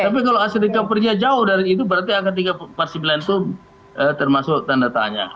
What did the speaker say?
tapi kalau asidikampernya jauh dari situ berarti akan tiga ratus empat puluh sembilan itu termasuk tanda tanya